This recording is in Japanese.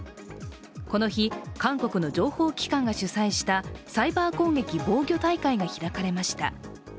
この日、韓国の情報機関が主催したサイバー攻撃防御大会が開かれました。